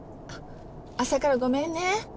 朝からごめんね。